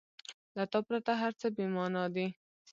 • له تا پرته هر څه بېمانا دي.